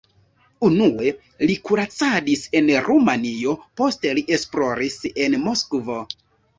Unue li kuracadis en Rumanio, poste li esploris en Moskvo.